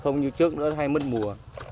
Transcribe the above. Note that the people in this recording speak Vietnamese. không như trước nữa hay mất mùa